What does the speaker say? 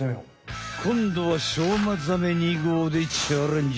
こんどはしょうまザメ２ごうでチャレンジ！